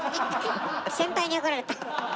先輩に怒られた。